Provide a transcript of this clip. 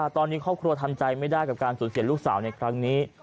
ตอนนี้ครอบครัวทำใจไม่ได้กับการสูญเสียลูกสาวในครั้งนี้